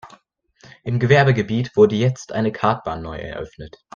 Im Gewerbegebiet wurde jetzt eine Kartbahn neu eröffnet.